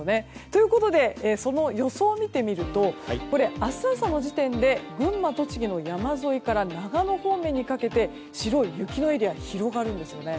ということで、その予想を見ると明日朝の時点で群馬、栃木の山沿いから長野方面にかけて白い雪のエリア広がるんですよね。